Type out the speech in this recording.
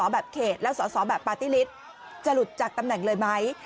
แบบเขตและแบบปาร์ติฬิสจะหลุดจากตำแหน่งเลยไหม